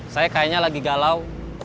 saya kayaknya lagi galau